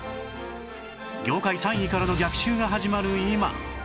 業界３位からの逆襲が始まる今